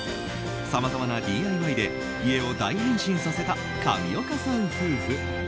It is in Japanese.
さまざまなＤＩＹで家を大変身させた上岡さん夫婦。